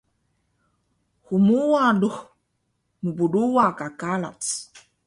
Hmuwa lux mbruwa ka karac?